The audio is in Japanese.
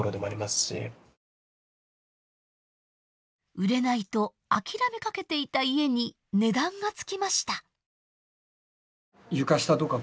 売れないと諦めかけていた家に値段がつきました。